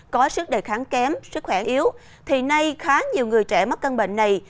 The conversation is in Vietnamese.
có sức đề kháng kém sức khỏe yếu thì nay khá nhiều người trẻ mắc căn bệnh này